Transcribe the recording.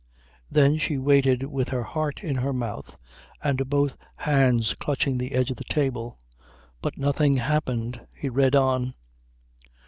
Then she waited with her heart in her mouth and both hands clutching the edge of the table. But nothing happened. He read on.